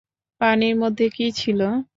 পানির মধ্যে কি ছিল?